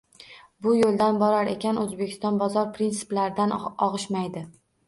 Bu yo‘ldan borar ekan, O‘zbekiston bozor prinsiplaridan og‘ishmaydi.